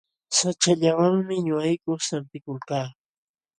Saćhallawanmi ñuqayku sampikulkaa.